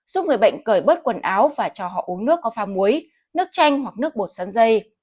giúp người bệnh cởi bớt quần áo và cho họ uống nước có pha muối nước chanh hoặc nước bột sắn dây